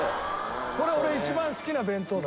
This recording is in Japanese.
これ俺一番好きな弁当だ。